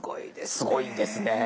すごいですね。